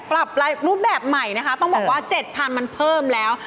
ปรับรูปแบบใหม่นะคะต้องบอกว่า๗๐๐มันเพิ่มแล้ว